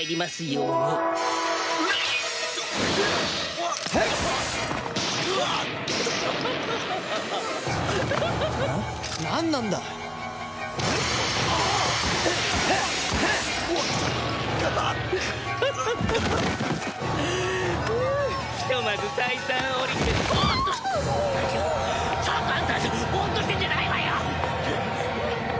ボーッとしてんじゃないわよ！